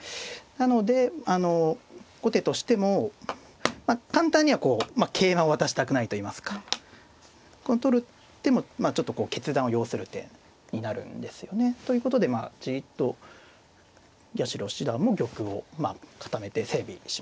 なので後手としても簡単にはこう桂馬を渡したくないといいますかこの取る手もちょっとこう決断を要する手になるんですよね。ということでじっと八代七段も玉を固めて整備しましたね。